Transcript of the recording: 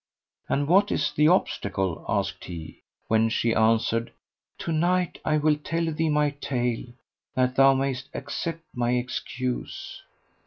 "And what is the obstacle?" asked he; when she answered, "To night I will tell thee my tale, that thou mayst accept my excuse."